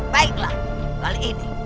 baiklah kali ini